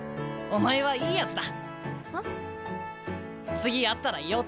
お前はいいやつだ。